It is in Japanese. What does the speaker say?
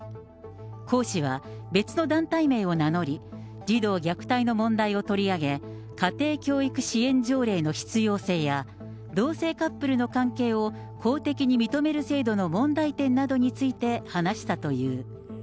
講師は別の団体名を名乗り、児童虐待の問題を取り上げ、家庭教育支援条例の必要性や、同性カップルの関係を公的に認める制度の問題点などについて話したという。